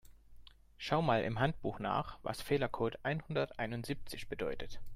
Schau mal im Handbuch nach, was Fehlercode einhunderteinundsiebzig bedeutet.